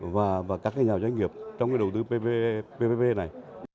và các nhà doanh nghiệp trong cái đầu tư ppp này